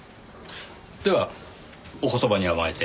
ではお言葉に甘えて。